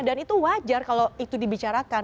dan itu wajar kalau itu dibicarakan